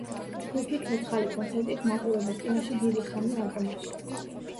ჯგუფი ცოცხალი კონცერტით მაყურებლის წინაშე დიდი ხანია არ გამოსულა.